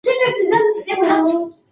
ملا وویل چې غږ ماته ډېر سکون راکوي.